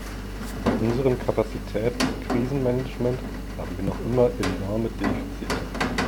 Bei unseren Kapazitäten im Krisenmanagement haben wir noch immer enorme Defizite.